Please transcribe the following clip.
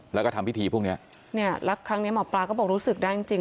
แล้วก็ทำพิธีพวกเนี้ยเนี่ยแล้วครั้งเนี้ยหมอปลาก็บอกรู้สึกได้จริงจริง